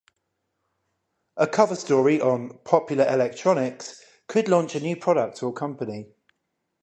A cover story on "Popular Electronics" could launch a new product or company.